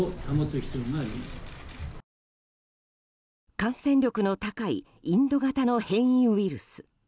感染力の高いインド型の変異ウイルス。